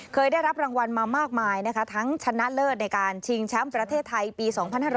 เคยได้รับรางวัลมามากมายนะคะทั้งชนะเลิศในการชิงแชมป์ประเทศไทยปี๒๕๖๐